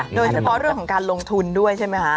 โดยเฉพาะเรื่องของการลงทุนด้วยใช่ไหมคะ